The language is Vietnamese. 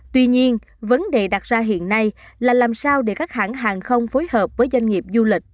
tuy nhiên vấn đề đặt ra hiện nay là làm sao để các hãng hàng không phối hợp với doanh nghiệp du lịch